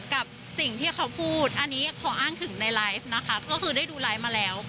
กับบัตรซ้อม